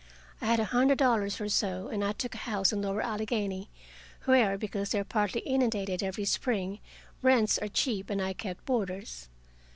I had a hundred dollars or so, and I took a house in lower Allegheny, where, because they are partly inundated every spring, rents are cheap, and I kept boarders.